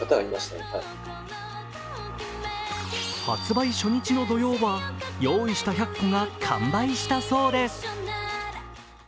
発売初日の土曜は、用意した１００個が完売したそうです。